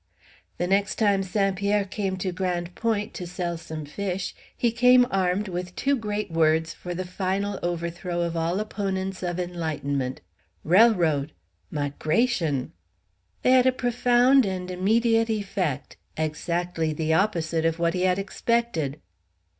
The next time St. Pierre came to Grande Pointe to sell some fish he came armed with two great words for the final overthrow of all opponents of enlightenment: "Rellroad! 'Migrash'n!" They had a profound and immediate effect exactly the opposite of what he had expected.